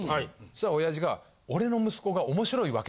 したら親父が。